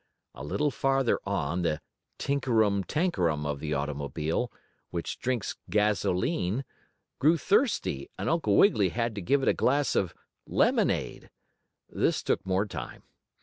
A little farther on the tinkerum tankerum of the automobile, which drinks gasolene, grew thirsty and Uncle Wiggily had to give it a glass of lemonade. This took more time.